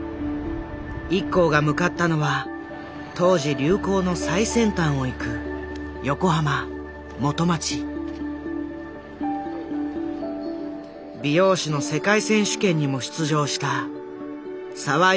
ＩＫＫＯが向かったのは当時流行の最先端をいく横浜美容師の世界選手権にも出場した澤飯廣英に弟子入り。